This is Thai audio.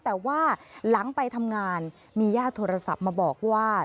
แต่ว่าหลังไปทำงานมีญาติโทรศัพท์มาบอกว่า